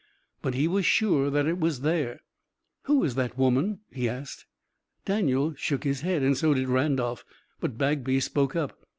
But he was sure that it was there. "Who is that woman?" he asked. Daniel shook his head and so did Randolph, but Bagby spoke up.